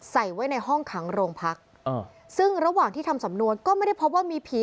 ใส่ไว้ในห้องขังโรงพักอ่าซึ่งระหว่างที่ทำสำนวนก็ไม่ได้พบว่ามีผี